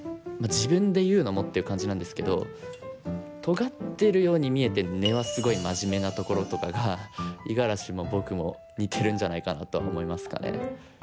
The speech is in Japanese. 自分で言うのもっていう感じなんですけどとがってるように見えて根はすごいマジメなところとかが五十嵐も僕も似てるんじゃないかなとは思いますかね。